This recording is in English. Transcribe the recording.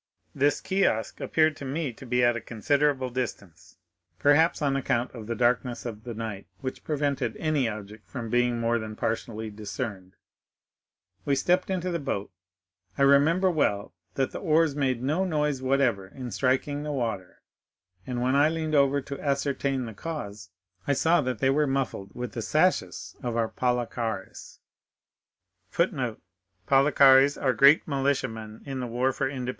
This kiosk appeared to me to be at a considerable distance, perhaps on account of the darkness of the night, which prevented any object from being more than partially discerned. We stepped into the boat. I remember well that the oars made no noise whatever in striking the water, and when I leaned over to ascertain the cause I saw that they were muffled with the sashes of our Palikares.